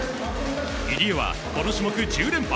入江はこの種目１０連覇。